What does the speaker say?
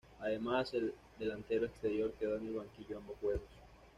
Además, el delantero exterior quedó en el banquillo ambos juegos.